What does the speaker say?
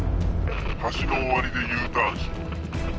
橋の終わりでＵターンしろ。